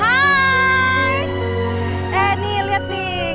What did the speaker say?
aku mau pulang